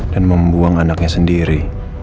dan membuang anaknya sendiri